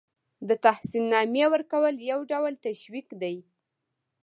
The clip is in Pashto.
د تحسین نامې ورکول یو ډول تشویق دی.